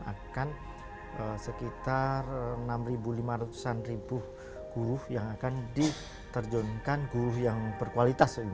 akan sekitar enam lima ratus an ribu guru yang akan diterjunkan guru yang berkualitas